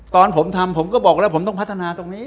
ตอนผมทำผมก็บอกแล้วผมต้องพัฒนาตรงนี้